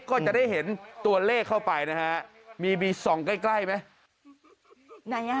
ก็จะได้เห็นตัวเลขเข้าไปนะฮะมีส่องใกล้ใกล้ไหม